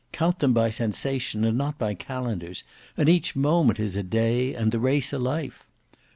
Count them by sensation and not by calendars, and each moment is a day and the race a life.